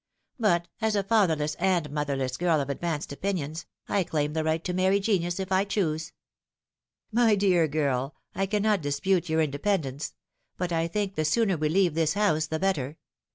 But, as a fatherless and motherless girl of advanced opinions, I claim the right to many genius, if I choose." " My dear girl, I cannot dispute your independence ; but I think the sooner we leave this house the better.